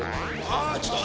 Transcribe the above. あっちょっと！